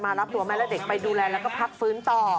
รับตัวแม่และเด็กไปดูแลแล้วก็พักฟื้นต่อ